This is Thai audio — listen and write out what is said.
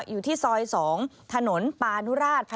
อยู่ที่ซอย๒ถนนปานุราช